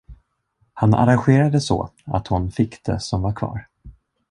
Han arrangerade så, att hon fick det som var kvar.